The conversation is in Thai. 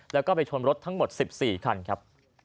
แล้วก็ไปชนรถทั้งหมด๑๔คันครับ